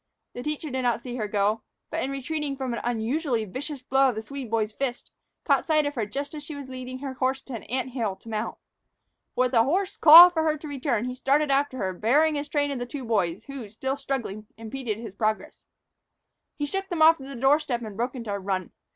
The teacher did not see her go, but, in retreating from an unusually vicious blow of the Swede boy's fist, caught sight of her just as she was leading her horse to an ant hill to mount. With a hoarse call for her to return, he started after her, bearing in his train the two boys, who, still struggling, impeded his progress. He shook them off at the door step and broke into a run.